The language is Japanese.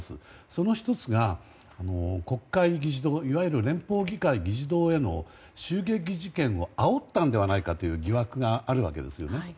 その１つが国会議事堂いわゆる連邦議会議事堂への襲撃事件をあおったのではないかという疑惑があるわけですよね。